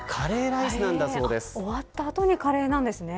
終わった後にカレーなんですね。